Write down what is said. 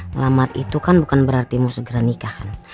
ngelamar itu kan bukan berarti mau segera nikah kan